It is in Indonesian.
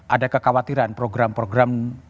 ada kekhawatiran program program